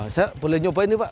saya boleh nyobain ini pak